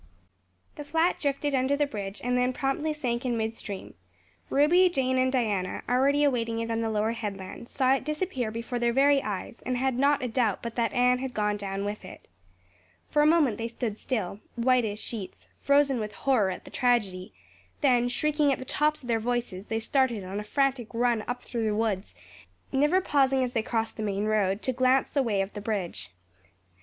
The flat drifted under the bridge and then promptly sank in midstream. Ruby, Jane, and Diana, already awaiting it on the lower headland, saw it disappear before their very eyes and had not a doubt but that Anne had gone down with it. For a moment they stood still, white as sheets, frozen with horror at the tragedy; then, shrieking at the tops of their voices, they started on a frantic run up through the woods, never pausing as they crossed the main road to glance the way of the bridge.